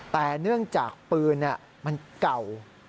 แต่เนื่องจากปืนมันเก่า